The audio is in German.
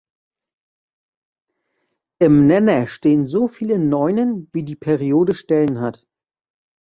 Im Nenner stehen so viele Neunen, wie die Periode Stellen hat.